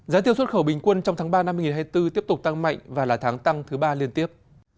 giá tiêu xuất khẩu bình quân trong tháng ba năm hai nghìn hai mươi bốn tiếp tục tăng mạnh và là tháng tăng thứ ba liên tiếp